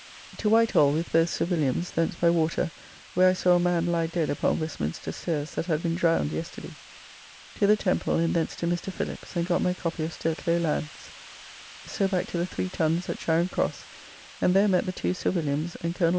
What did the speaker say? To Whitehall with both Sir Williams, thence by water, where I saw a man lie dead upon Westminster Stairs that had been drowned yesterday. To the Temple, and thence to Mr. Phillips and got my copy of Sturtlow lands. So back to the 3 Tuns at Charing Cross, and there met the two Sir Williams and Col.